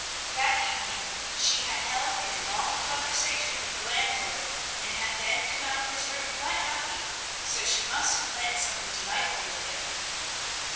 That evening she had held a long conversation with the landlord, and had then come out of his room quite happy; so she must have planned something delightful with him.